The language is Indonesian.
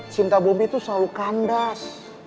cinta bobby tuh selalu kandas